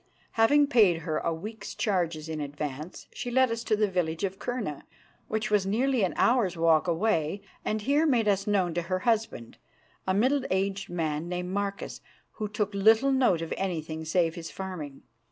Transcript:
Having paid her a week's charges in advance, she led us to the village of Kurna, which was nearly an hour's walk away, and here made us known to her husband, a middle aged man named Marcus, who took little note of anything save his farming.